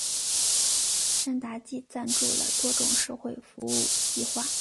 山达基赞助了多种社会服务计画。